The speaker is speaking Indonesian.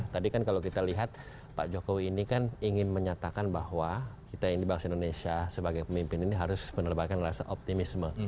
tadi kan kalau kita lihat pak jokowi ini kan ingin menyatakan bahwa kita ini bangsa indonesia sebagai pemimpin ini harus menerbakan rasa optimisme